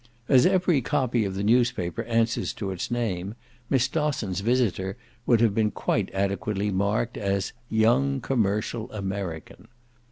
As every copy of the newspaper answers to its name, Miss Dosson's visitor would have been quite adequately marked as "young commercial American."